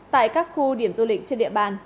tại các khu điểm du lịch trên địa bàn